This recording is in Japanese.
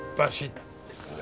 って。